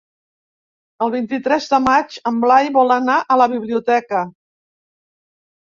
El vint-i-tres de maig en Blai vol anar a la biblioteca.